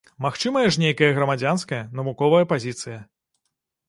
Магчымая ж нейкая грамадзянская, навуковая пазіцыя?